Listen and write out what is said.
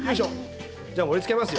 じゃあ、盛りつけますよ。